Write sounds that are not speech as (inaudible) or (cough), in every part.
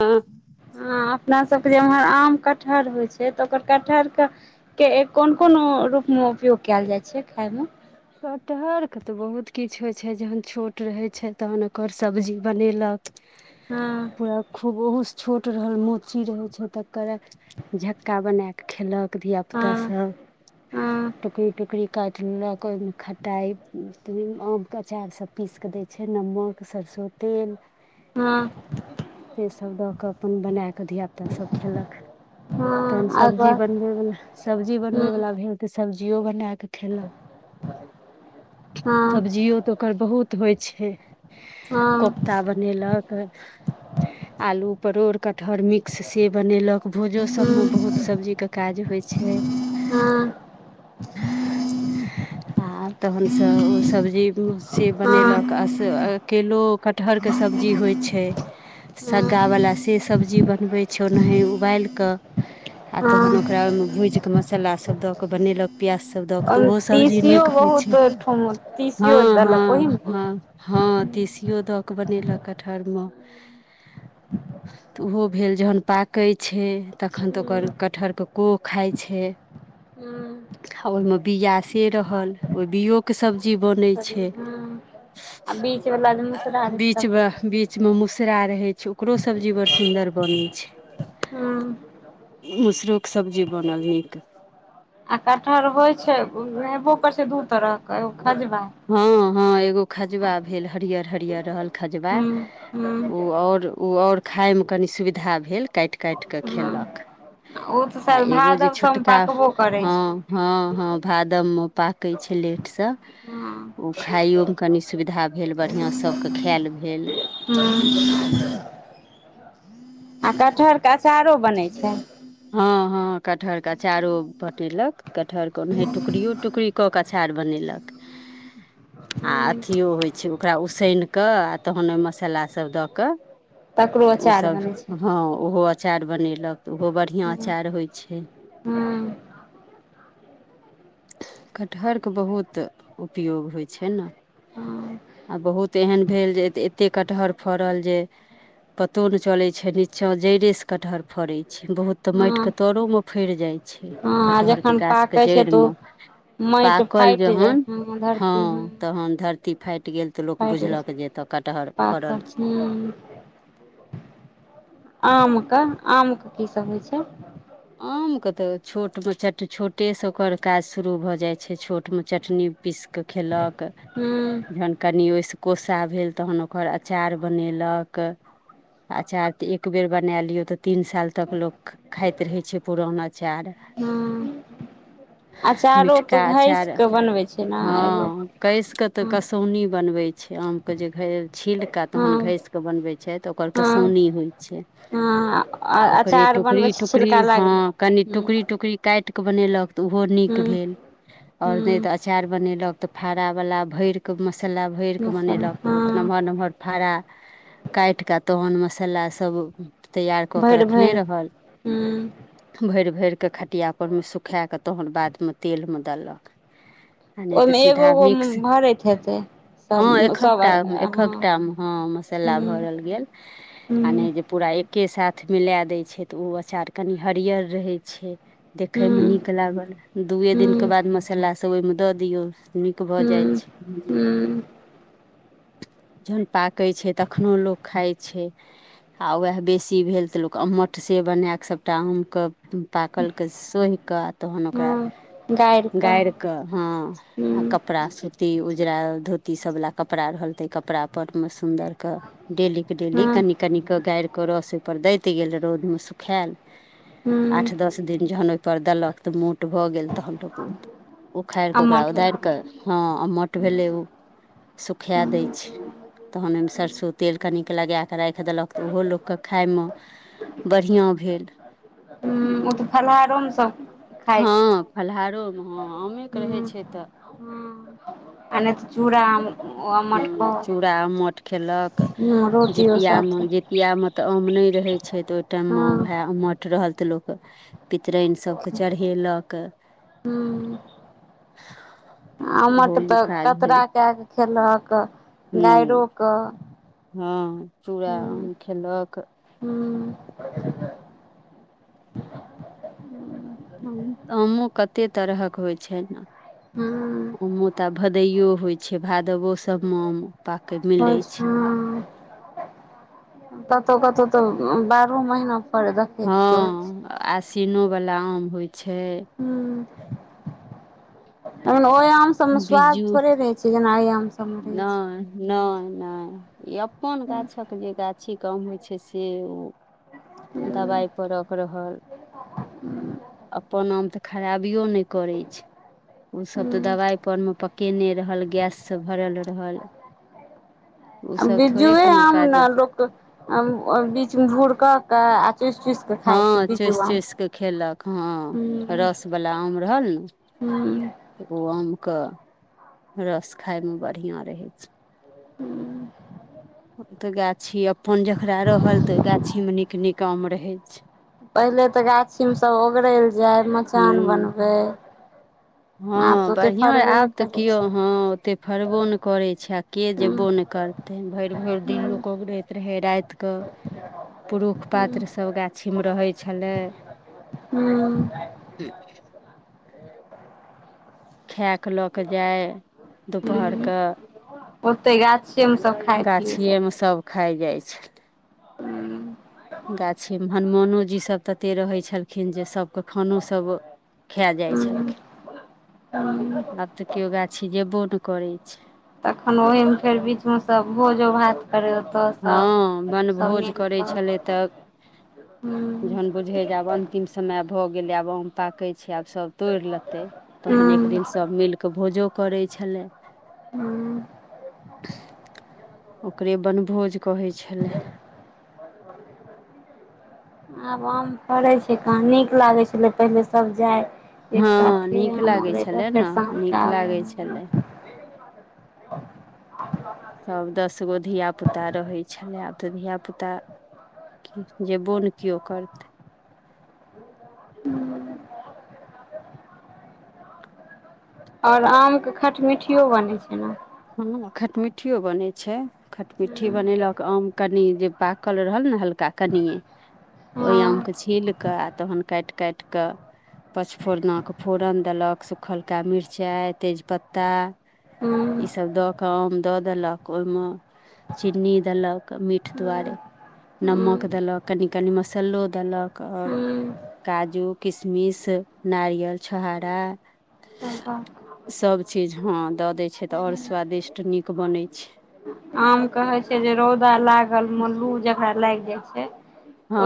ह ह अपना सब के जे इम्हर आम कटहर होय छै तऽ ओकर कटहर के के कोन कोन रूप मे उपयोग कयल जाय छै खाय मे कटहरके तऽ बहुत किछु होइ छै जहन छोट रहै छै तहन ओकर सब्जी बनेलक हँ खूब ओहो से छोट रहल मोची रहे छै तकर झक्का बना के खेलक अपदा हँ स हँ टुकरी टुकरी काटि लेलक ओहिमे खटाइ आमके अचार सब पीसिकऽ दै छै नमक सरसो तेल हँ से सब दऽ कऽ अपन बना कऽ धिया पुता सभ खेलक तहन हँ आग सब्जी बनबैवला सब्जी बनबय हँ बला भेल तऽ सब्जियो बना कऽ खेला हँ सब्जियो तऽ ओकर बहुत होइ छै हँ ता बनेलक आलू परोड़ कटहर मिक्स से बनेलक भोजो सब मे बहुत हँ सब्जी के काज होइ छै हँ आ तहन सब ओ सब्जी से बनेलक आ हँ से केलो कटहरके सब्जी होइ छै सग्गा वला से सब्जी बनबै छौ ओनाही उबालि कऽ आ तहन ओकरा हँ ओहिमे भूज के मसाला सब द के बनेलक पियाज सब दऽ कऽ तऽ ओहिमे ओहो सब्जी तीसियो नीक होइ बहुत छै ठम तीसियो हँ देलक हँ ओहिमे हँ हँ तीसियो दऽ कऽ बनेलक कटहरमे तऽ ओहो भेल जहन पाकै छै तखन तऽ ओकर हँ कटहर के कोओ खाइ छै। हँ। आ ओहिमे बीआ से रहल ओहि बीओ के सब्जी बनै छै। हँ आ बीच वला जे मुसरा रहै छै, तकरो बीच मूसरा रहे छै ओकरो सब्जी बड़ सुदर बनै छै हँ। मुसरो के सब्जी बनल निक आ कटहर होइ छै हेबो कर छै दू तरह के एो खजबा ह, ह एगो खजुा भेल हरियर हरियर रहल खजुबा हूं हूं ओ आओर आओर खाइमे कनि सुविधा भेल काटि काटि कऽ हूं खेल ओ तऽ कऽ आ शायद एगो जे भादव सम छोटका पाकबो करै छै हँ ह, ह भादम मे पाकै छै लेटसँ हूं ओ खाइयो मे कनि सुविधा भेल बढ़िआ सभके खायल भेल ह। आ कटहर के अचारो बनैत छै। ह, ह कटहर के अचारो पटेलक कटहर के ओनाह टुकड़ियो टुकड़ी कऽ कऽ अचार बनेलक आ हूं अथियो होइ छै ओ ओकरा उसन कऽ आ तहन ओहि मसाला सभ दऽ कऽ तकरो तऽ अचार ओसभ बनै छै ह ओहो अचार बनेलक तऽ ओहो बढ़ हूं आर होइ छै। हूं हूं कटहर के बहुत उपयोग होइ छै न। बहुत एहन भेल जे एते कटहर फड़ल जे पतो नहि चले छै, नीचा जड़े से कटहर फड़े छै बहुत तऽ हँ माटिके तरोमे फड़ि जाइ छै, हँ आ कटहर के जखन गाछ के पाकै छै तऽ जड़िमे ओ माटि पाकल फाटि जाइ जहन हूं ह धरती हूं तहन धरती फाटि गेल तऽ लोक फाटि जाइ बुझल छै कऽ जे एतऽ कटहर फड़ल आम कऽ आम कऽ किसभ होइ छै आमके तऽ छोटमे चट छोटेसँ ओकर काज शुरू भऽ जाइ छै, छोटमे चटनी पीस कऽ के खेल कऽ हूं जन कनि ओहिस कोसा भेल तहन ओकर अचार बनेल कऽ अचर एक बेर बना लियौ तऽ तीन साल तक लोकोग खात रहै छै पुरान अचार। हूं अचारो तो मिठका घैस अचार के बनबै छै ने ह एगो कसि कऽ तऽ हँ कसौनी बनबै छै आमके जे छीलक तहन हँ घसि कऽ तऽ बनबै छै तऽ ओकर हँ कसौनी होइ छै हँ आ ओकरे अचार टुकरी बनबै छै टुक छिलका लागल हँ कनि हूँ टुकड़ी टुकड़ी काट कऽ बनेल कऽ तऽ उहो नीक हूँ भेल और नै हूँ तऽ अचार बनेलक तऽ फाड़ा वाला भरि कऽ मसाला भर कऽ मसाला मनेलक ओत हँ नमहर नमहर। फड़ा काटि कऽ तहन मसाला सभ तैयार कऽ के भरि रखने भरि रहल हूँ भरि भरि कऽ खटिया पर मे सुखाए कऽ तहन बादमे तेलमे देलक आ नै तऽ ओहिमे एगो सीधा एगो मिक्स। भरैत हेतै हँ सब सब एककटा हँ एकटा मे हँ मसाला हूँ भरल गेल आ हूँ नहि जे पूरा एके साथ मिला दै छै तऽ ओ अचार कनि हरियर रहै छै। देखय मे हूँ नीक लागल दूए दिन के हूँ बाद मसाला सभ ओहिमे दऽ दियौ। नीक भऽ जाइ हूँ छै। हूँ जहन पाकै छै तखनो लोक खाइ छै आ उएह बेसी भेल तऽ लोक अमठ से बना कऽ सभटा आमकऽ पाकल केँ सोहि कऽ तहन ओकरा गारि कऽ हँ आ हूँ कपड़ा सुत (unintelligible) उजरा धोती सब वला कपड़ा रहल ताहि कपड़ा पर मऽ सुन्दर कऽ डेली केँ डेली हँ कनि कनिकऽ गारि कऽ रस ओहिपर दैत गेल रौद मऽ सुखायल हूँ आठ दस दिन जहन ओहिपर देलक तऽ मोट भऽ गेल तहन लोक उ उखाड़ि कऽ ओकरा अम्मट उदारि कऽ हँ अमठ भेलै उ सुखाए दै छै तहन ओहिमे सरसो तेल कनि कऽ लगाए कऽ राखि देलक तऽ ओहो लोक कऽ खाय मऽ बढ़िया भेल हँ ओ तऽ फलहारो मऽ सब खाइ हँ छै फलहारो मऽ हँ आमे केँ हूँ रहै छै तऽ आ नै तऽ चूड़ा आम हूँ चूड़ा अमोट खेलक रोटियो जीतिया मऽ साथे जे जितिया मऽ तऽ आम नहि रहै छै तऽ ओहि टाइममे हँ ओहै उमट रहल तऽ लोक पितराइन सभकेँ चरहेलक हूँ ओहो आमट मऽ तऽ काज भेल कतरा कए कऽ खेलक हूँ गायरो कऽ हँ चूड़ा हूँ आम खेलक हूँ आमो कते तरहक होइ छै नऽ हुँ आमो तऽ आ भदइो होइत छै भादवो सभ मऽ आम पाकै मिलै पच छै हँ कतहु कतहु तऽ बारहो महीना पर देखै छियै होइ छै हँ आसिनो वला आम होइ छै (unintelligible) ओहि आम सब मऽ स्वाद बिज्जू थोड़े रहे छै जेना अइ आम सब मे रहे छै नहि नहि नहि ई अपन हूँ गाछक जे गाछी क आम होइ छै से ओ हूँ दबाई परक रहल अपन आम तऽ खराबियो नहि करै छै उ सब तऽ हूँ दबाई पकने रहल गैससँ भरल रहल ओसभ थोड़े बिज्जुए कोनो आम काज ने लोक बीज मऽ भूर कऽ कऽ आ चुसि चुसि हँ चुसि चुसि कऽ खेलक हँ हूँ रसवला आम रहल नऽ हूँ तऽ ओ आम कऽ रस खाय मऽ बढ़िया रहै छै हूँ ओ तऽ गाछी अपन जकरा रहल तऽ ओ गाछीमे नीक नीक आम रहैत छै पहिले तऽ गाछीमे सभ ओगरै लऽ जाय मचान हूँ बनबै आब हँ तऽ ओते बढ़िया फड़बे नहि आब तऽ करै कियौ छै हँ ओते फरबो नहि करै छै आ केँ हूँ जबो नहि करतै भरि भरि दिन हूँ लोक ओगरैत रहै राति कऽ पुरुष हूँ पात्रसभ गाछी मऽ रहै छलै हूँ (inaudible) खायक लऽ कऽ जाइ दुपहर कऽ ओतै गाछिये मऽ सब खाय पियै सब खाए जाइ छै हूँ गाछी मे हनुमानोजी सभ तते रहैत छलखिन जे सभ खानो सभ खा जाइ हूँ छलखिन तऽ केओ गाछी जेबो नै करै छै। तखन ओहिमे फेर बीच मे सभ भोजोभात करैत हँ बन भोज करै छलै तऽ जहन बुझे जावन अंतिम समय भ गेलै आब आम पाकै छै आब सभ तोड़ि लेतै तहन एक दिन सभ मिल कऽ भोजो करै छलै। हूँ। ओकरे बन भोज कहै छलै। आब आम फड़ैत छै कहा नीक लागैत छलै पहिले सभ जाइ ह, नीक लागैत छलै ने साँझके नीक आबै लागैत छलै सभ दसगो धियापुता रहैत छलय आब त धिया पुता जेबो ने केओ करतै। हू। ओर आम के खटमी ठियो बनै छै ने ह खटमिट्ठियो बनै छै खटमिट्ठी बनेलक आम कनि जे पाक कल रहल ने हल्का कनए ओहि हँ आम के छील कऽ तहन काट काट कऽ पचफोरना के फोरन देल कऽ सुखलका मिरचाइ तेजपत्ता ईसभ दऽ कऽ आम दऽ देलक ओहिमे चीनी देल कऽ मीठ दुआरे नमक देलक कनि कनि मसालो देलक आओर काजू, किशमिश, नारियल, छोहारा। सभ चीज हँ दै छै त ओर स्वादिष्ट नीक बनै छै आम कहे छै जे रौदा लागल मल्लू जकरा लाग जाइ छै।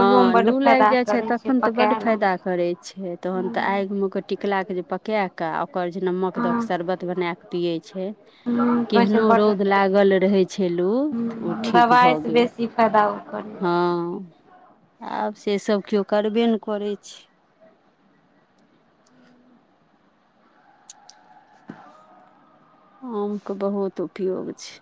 ओहियोमे बड्ड लू लाग फायदा जाइत छै, करै तखन त बड़ पकायल आम फायदा करै छै तहन त आग मे क टिकलाके जे पका का ओकर जे नमक के शरबत बना के पिये छै हँ कहै छै केहनो बड्ड रौद लागल रहे छलू त ओ हूँ ठीक भऽ दबाइसँ गेल बेसी फायदा ओ करै हँ आब से सभ केओ करबे ने करै छै आम के बहुत उपयोग छै।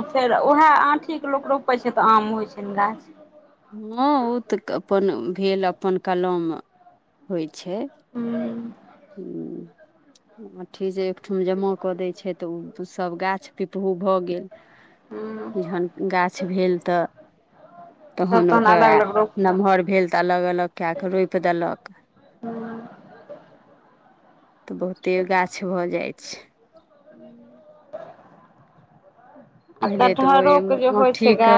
फेर उएह आँठी के लोक रोपैत छै तऽ आम होइत छै ने गाछ। ह, ओ तऽ अपन भेल अपन कलम होइ छै हूँ हू आट्ठी जे एकठम जमा कऽ दै छै तऽ ओ सभ गाछ पिपहु भ गेल हूँ जहन गाछ भेल तऽ सब तहन ओक अलग अलग रोपलक नमहर भेल। अलग अलग कए कऽ रोप देलक हूँ तऽ बहुते गाछ भऽ जाइत छै। ह। पहिले तऽ ओहि ठीक।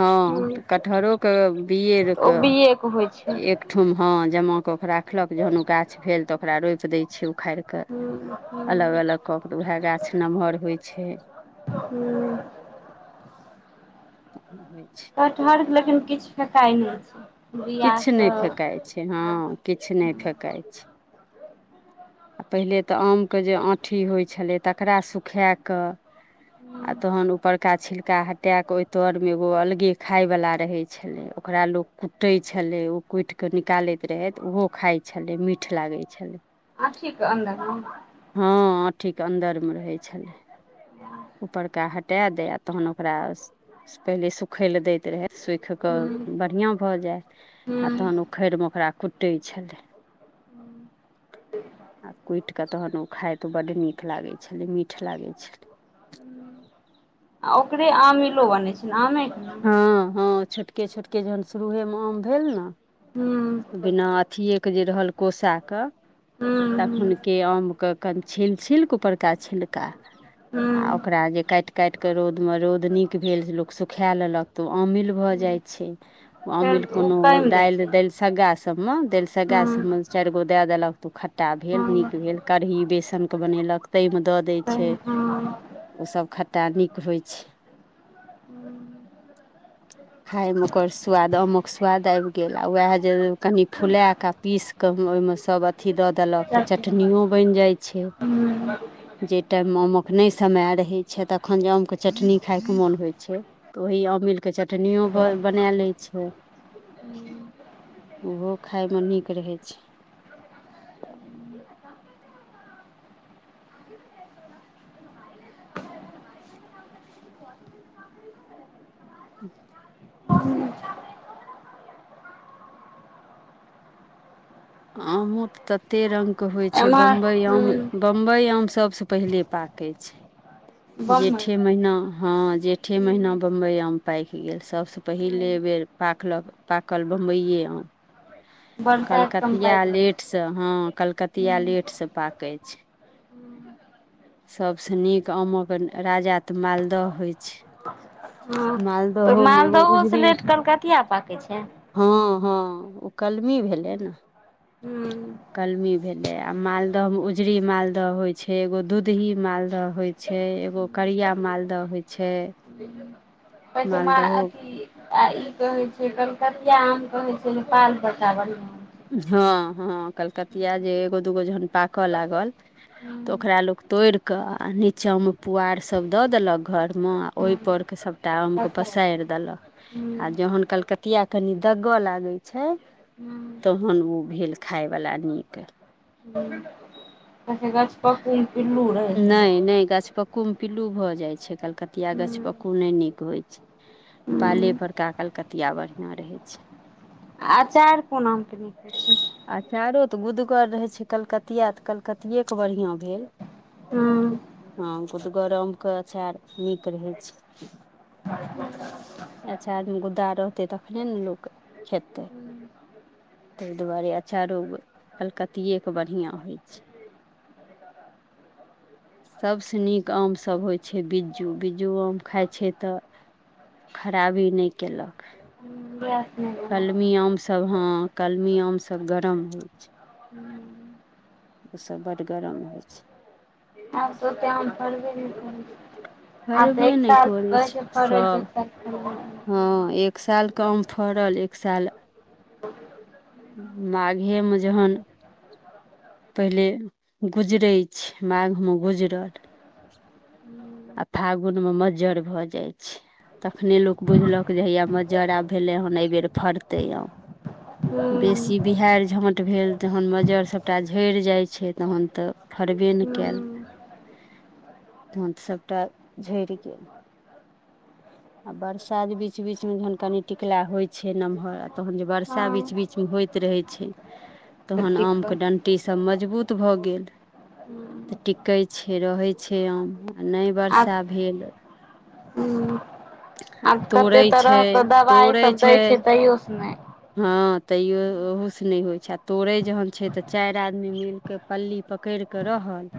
ह हूँ कटहरोके बीये तऽ एक ओ बिएके होइ छै ओ ठुम ह जमा कऽ ओ राखलक जहन ओ गाछ भेल तऽ ओकरा रोपि दै छिय उखाड़ि कऽ के हूँ अलग अलग कऽ केऽ तऽ उएह गाछ नमहर होइ छै। हू। तऽ होइ छै कटहर लेकिन किछ फेकाय नहि छै। किछु बिआके नहि फेकाइ छै हँ किछु नहि फेकाइ छै आ पहिले त आमके जे आठी होइ छलै तकरा सुखाए क आ तहन ऊपड़का छिलका हटा के ओय तर में एगो अलगे खााय वाला रहे छले ओकरा लोग कूटै छलै ओ कुटि क निकालैत रहै ओहो खाए छलै मीठ लागै छलै आठी के अंदर ह हँ आठी के अन्दर मे रहै छलै ऊपरका हटा दै आ तहन ओकरा पहिले सुखय लए दैत रहय सुख क हूँ बढ़िया भ जाय आ हूँ तहन उखैड़ मे ओकरा कुटै छैलै हू (inaudible) आ कुटि कऽ तखन ओ खाइत त बड्ड नीक लागैत छलै मीठ लागैत छलै आ ओकरे आमिलो बनै छै ने आमेक ना हँ हँ छोटके छोटके जहन शुरूए मे आम भेल ना हूँ बिना अथिएके जे रहल कोसा क हूँ हूँ तखुनकै के आम के क छी छक परका छिलका आ हूँ ओकरा जे काट काट के रौदमे रौद नीक भेल जे लोक सुखाए लेलक त ओ अमिल भ जाइ छै फेर अमीर ओ कोनो टाइम दै दालि छै दालिसग्गा सबमे दालिसग्गा हूँ सबमे चारि गो दए देलक तऽ ओ आटा भेल हँ नीक भेल कढ़ी बेसनके बनेलक ताहिमे द दै छै ह ओसभ खट्टा नीक होइ छै हू (inaudible) खाय मे ओकर स्वाद आमक स्वाद आबि गेल आ उएह जे कनि फुला कऽ पीस कऽ ओहिमे सभ अथी दऽ देलक तऽ चटनियो बनि जाइ छै हू जा टाइममे आमक नहि समय रहैत छै तखन जे आमके चटनी खायके मोन होइत छै तऽ ओहि अमिल के चटनियो बना ले छै ओहो खाय मे नीक रहै छै ज (inaudible) हू (unintelligible) आमो त तते रंग के होइ छै एम्हर बम्बई आम हूँ बम्बई आम सबसँ पहिले पाकै छै बम्बइ जेठे महीना हँ जेठे महीना हूँ बम्बई आमे पाकि गेल सभसँ हूँ पहिले बेर पाकलक पाकल बम्बइयए आम बढ़ा के कतिया लेट सँ हँ कलकतिया लेट हूँ सँ पाकै छै सबस नीक आमक राजा ते मालद दह होइ छै मालदहो मे एगो उछ भी कल कतिआ पाके कि (unintelligible) छै हँ हँ ओ कलमी भेलै ने हू कलमी भेले आ मालदह मे उजरी मालदह होय छै एगो दूधही मालदह होय छै एगो करिया मालदह होइ छै पे मथ मालदहो आ ई कहैत छै कलकतिया आम कहैत छै नेपाल पत्ता बढिया हँ हँ कलकतिया जे एगो दूगो झन पाकऽ लागल तऽ ओकरा छै लोग तोड़ के आ नीचा में पुआर सब द देलक घर म ओइ हूँ हूँ पर के सबटा आम के तखन पसार देलक हूं आ जहन कलकतिया कनि दग लागे छय हूं तहन ओ भेल खायवला नीक हं कस गछ पकन पि लू रह छै म नइ गाछ पक्कू में पिल्लू भऽ जाइ छै कलकतिया हूं गाछ पक्क नइ नीक होइ छै हूं पालेपरका कलकतिया बढ़िआँ रहै छय अचार कोन आमके नीक लगै छै अचारो तऽ गुदगर रहे छै कलकतिया तऽ कलकतिये के बढ़ियां भेल हूं हँ गुट गरम के अछार नीक रहै छै (unintelligible) अच्छा आदमी गुद्दा रहतै तखने ने लोक खेतै तहि दुआरे अँचारो कलकतिएके बढ़िआँ होइ छै (unintelligible) सभसँ नीक आमसब होइ छै बिज्जू बिज्जू आम खाइ छै तऽ खराबी नइ केलक हं ब कलमी आमसब हँ कलमी आमसभ गरम होइ छै (unintelligible) ओसब बड गरम होइ छै हँ तऽ ओते आम फरबे नहि करै छै आ फड़बे एक नहि साल करै कहै छै फरय सभ छै हँ एक सालके आम फड़ल एक साल माघे में जहन पहिले गुजरै छै माघ में गुजरल आ फागुन में मज्जर भऽ जाय छै तखने लोक बुझलक जे हैया मज्जर आब भेलै नै यहि बेर फरतय आम बेसी बिहार झात ट भेल तहन मज्जर सभटा झैड़ जाइ छै तहन तऽ फड़बे नय कैल तहन तऽ सबपटा झरि के आ बरसा बीच बीच में जहन कनि टिकला होइ छै नमहर आ तहन बर्सा बीच हँ बीचमें होइत रहै छय (inaudible) तहन ह आमके ड कुट्टी सब मजबूत भऽ गेल तऽ टिकै छै रहै छै आम आ नइ आब वर्षा भेल हूं आ आब कते तोड़ै छै तरहके तोड़ै दबाइसब दै छै तैयो से नय हँ तैयो ओहो से नइ होइ छै आ तोड़े जहन छै तऽ चाइर आदमि मिल के पल्ली पकइड़ कऽ रहल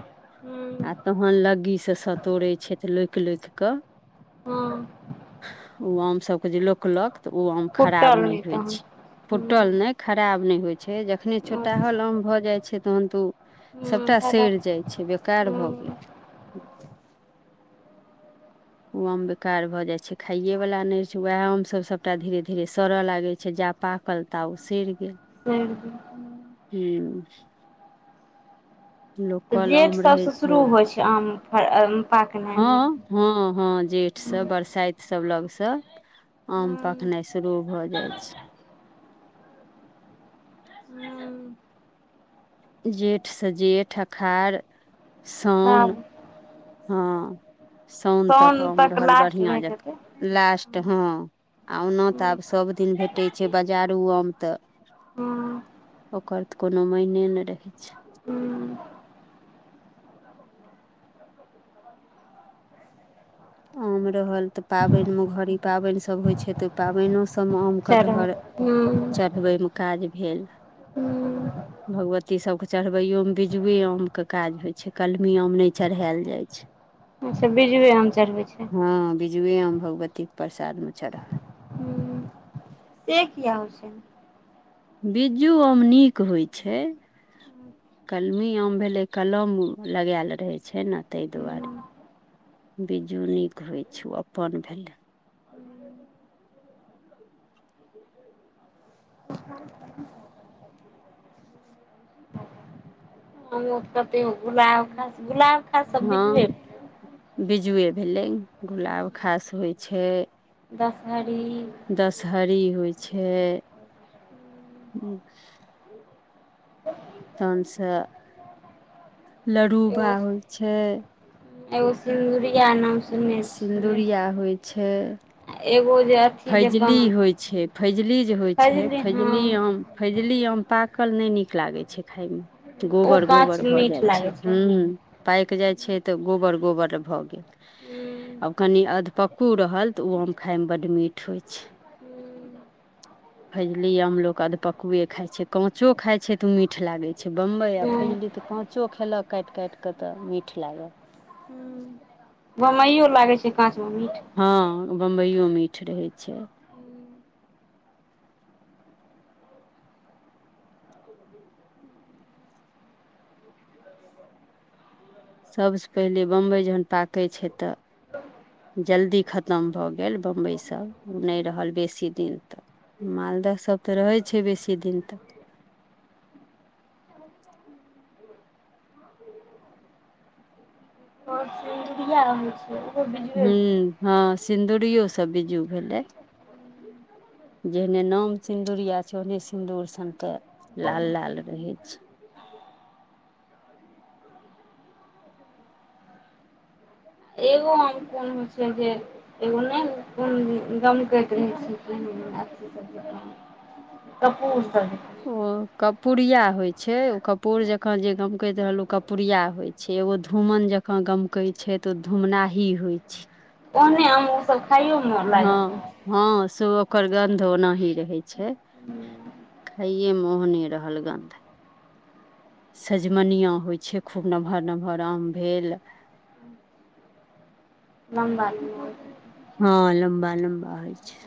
आ हूँ तहन लग्गीसँ सतोड़ै छइथ लोक लोक कऽ हँ ओ आम सबके जे लोकलक तऽ ओ आम फुटल खराब नइ नहि होइ तहन छइ हूँ फुटल नहि खराब नहि होइ छै जखने छोटाहल आम भऽ जाइत छै तहन तऽ ओ हूँ सबटा सइर खराब जाइ छै बेकार भऽ गेल हूँ ओ आम बेकार भऽ जाइ छै खाइएवला नय रह छै उएह आमसब सबटा धीरे धीरे सड़य लागै छै जाप पाकल त उ साएर गेल स। हू। तऽ लोकल जेठ आम रहै सभसँ शुरू होइ छै आम फ हँ, हँ, हँ जेठसँ बरसाइत सभ लगसँ आम हूँ पखनाइ शुरू भऽ जाय छै। हू। जेठसँ जेठ अखार साउन। तब हँ सान तक साउन आम रहल लास्ट बढ़िया रहैत जेका हेतै लास्ट हँ आ ओना हूँ तऽ आब सभदिन भेटै छै बजारू आम त हूँ। ओकर तऽ कोनो मायने नहि रहे छै ह आम रहल तऽ पाबनिमे घड़ी पाबनि सभ होइ छै तऽ ओहि पाबनो सभ सभ आम चढ़ल कटहर हूँ चढ़बैमे काज भेल ह भगवती सभकेँ चढ़बैयओ मे बिजुए आमके काज होइ छै कलमी आम नहि चढ़ायल जाइ छै। बीजुए आम चढ़बै छै हँ, बिजुए आम भगवतीके प्रसाद मे चढ़ऽ हूँ से किया बिज्जू आम नीक होइ छै। कलमी आम भेलै कलम लगयल रहै छै ने ताहि दुआरे हूँ बिज्जू नीक होइ छै ओ अपन भेलै। (inaudible) (unintelligible) कते गुलाब घास गुलाब खास सब ह, बीजबे बिज्जुए भेलै गुलाबखास होइ छै दशहरी। दशहरी होइ छै। तहन से ल्डुबा एगो होइ छै एगो सिन्दुरिया नाम सुने छियै। सिन्दुरिया छै। एगो जे। अथी जकाँ फजली जे होइ छै फजली जे होइ छै, फजली आम फैजली आम पाकल नहि नीक लागैत छै खायमे ओ गोबर काँच गोबर भऽ जाइ मीठ छै लागै हू पाकि जाइ छै तऽ गोबर गोबर भऽ गे आब कनि अधपक्कू रहल तऽ ओ आम खायमे बड़ मीठ होइ छै (unintelligible) फजली आम लोक अधपकूए खाइत छै काचो खाइत छै तऽ ओ मीठ लागैत छै बम्बइ आ फैजली तऽ पाचो खेलक काट काट कऽ तऽ मीठ लागत। हू। बम्बइयो लागै छै काँचमे मीठ ह बम्बइयो मीठ रहै छै सभसँ पहिले बम्बइ जखन पाकै छै त जल्दी खतम भऽ गेल बम्बइसँ ओ नइ रहल बेसी दिन तक मालदह सब तऽ रहय छै बेसी दिन तक हो जी ड़िया रहै छियै हं हँ सिन्दूरियो सब बीज्जू भेलै जेहने नाम सिन्दूरिया छय ओहने सिन्दूर सन तऽ लाल लाल रहै छय एगो आम कोन होइ छय जे एगो नय कोन दम करैत रहै छै सबी ब कपूर ओ कर्पूरिया होय छय ओ कर्पूर जखन जे गमकैत रहल ओ कर्पूरिया होय छै छै एगो धूमन जकाँ गमकै छै तऽ ओ धूमनाही होइत छय ओ नय आ ओ सब खइो मन हँ लाग छय हँ से ओकर गन्ध ओनाही रहै छय खाइये मे ओहो नइ रहल गन्ध सजमनिआँ होइ छै खूब नमहर नमहर आम भेल हम बात में (inaudible) हँ लम्बा लम्बा होइ छय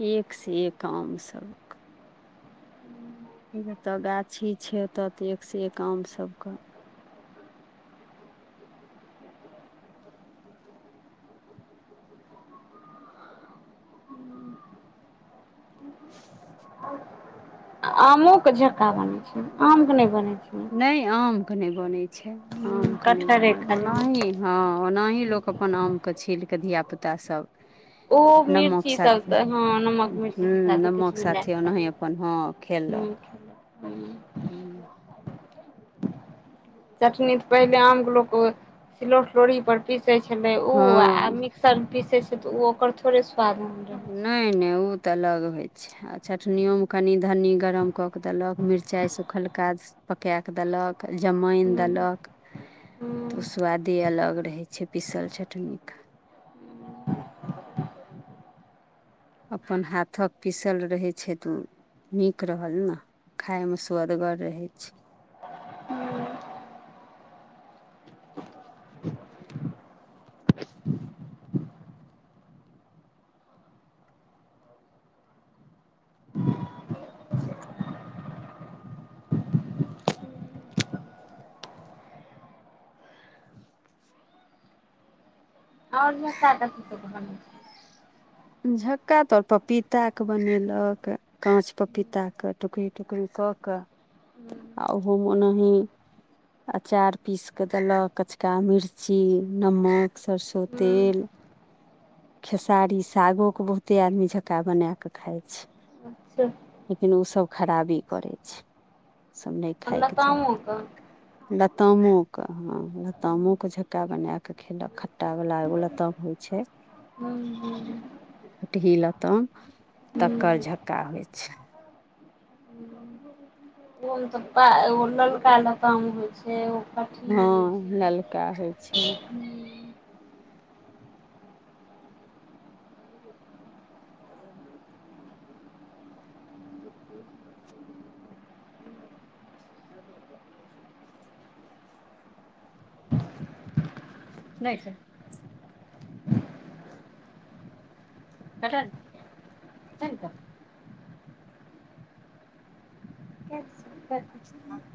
एक से एक आम सब जतऽ गाछी छय ओत ते एक से एक आम सब के आमोके झक्का बनै छै आमके नइ बनै छै नइ आम के नहि बनै छै आम हूँ के नहि कटहरे बनल खाली ओनाही हँ ओनाही लोक अपन आम के छीलकेऽ धिया पुता सब ओ नमक मिर्ची सब साथे तऽ हँ नमक मिर्ची हूँ सब किछ नमक मिल साथे कऽ ओनाही अपन हँ ह हूँ चटनी तऽ पहिले आमके लोक सिलौ लोरही पर पिसै छलै उऽ आ हँ मिक्सर में पीसै छै तऽ ओकर थोड़े सु्वाद रहै छै नइ नइ उ ते अलग होय छै आ चटनियओमे कनि धन्नी गरम कऽ कऽ देलक मिरचाइ सुखलका पकाए कऽ देलक जमाइन हूँ देलक तऽ ओ हूँ सआदे अलग रहै छय पिसल चटनीके अपन हाथक पिसल रहै छथि ओ नीक रहल ने खाय में सुअदगर रहै छै आओर क (unintelligible) झक्का तोर पपीता के बनेलक काँच पपीता के टुकरी टुकरी कऽ कऽ छै आहोम ओनाही अचार पीस कऽ देलक कचका मिर्ची नमक सरसो हूँ हूँ तेल खेसारी सागोक के बहुते आदमी झक्का बना कऽ खाय छै अच्छा लेकिन ओसब खराबी करै छै सब नइ खायके चाही लतामोके लतामोेकऽ ह लतामो के झक्का बना कऽ खेलक खट्टा वला एगो लताम होइ छै हूँ हूँ कटही लताम तक्कर झक्का होइ छइ ओहोमे तऽ एगो ललका लताम होइ छै पकी होइ हँ ललका होइ छै (unintelligible) नहि छथि (unintelligible) छै सच (unintelligible)